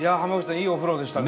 いいお風呂でしたね。